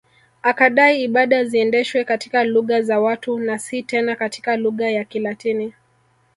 Akadai ibada ziendeshwe katika lugha za watu na si tena katika lugha ya Kilatini